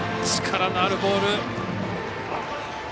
力のあるボール。